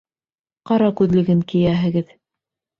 Ҡара күҙлеген кейәһегеҙ!